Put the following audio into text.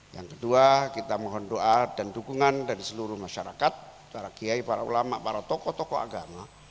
yang kedua kita mohon doa dan dukungan dari seluruh masyarakat para kiai para ulama para tokoh tokoh agama